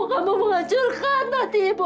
kamu menghancurkan hati ibu